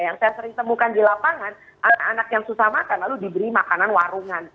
yang saya sering temukan di lapangan anak anak yang susah makan lalu diberi makanan warungan